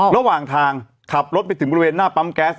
ระหว่างทางขับรถไปถึงบริเวณหน้าปั๊มแก๊ส